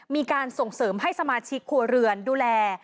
มีการส่งเสริมให้สมาชิกครัวเรือนดูแล